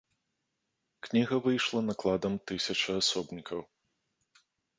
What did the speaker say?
Кніга выйшла накладам тысяча асобнікаў.